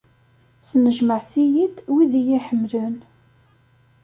Snejmaɛet-iyi-d wid i iyi-iḥemmlen.